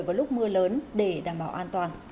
vào lúc mưa lớn để đảm bảo an toàn